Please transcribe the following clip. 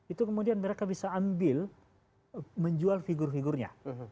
itu kemudian mereka bisa ambil menjual figur figurnya